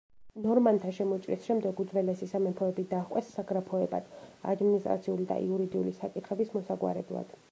ნორმანთა შემოჭრის შემდეგ უძველესი სამეფოები დაჰყვეს საგრაფოებად ადმინისტრაციული და იურიდიული საკითხების მოსაგვარებლად.